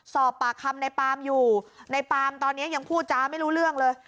สอบปากคำในปามอยู่ในปามตอนนี้ยังพูดจ้าไม่รู้เรื่องเลย